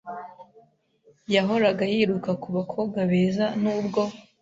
yahoraga yiruka ku bakobwa beza n’ubwo